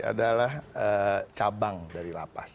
adalah cabang dari lapas